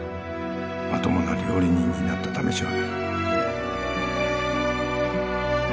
まともな料理人になった試しはない